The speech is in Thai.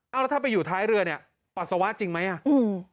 เอาแล้วถ้าไปอยู่ท้ายเรือเนี้ยปัสสาวะจริงไหมอ่ะอืม